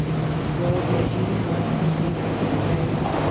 The old regime ^M2iS quickly buried away.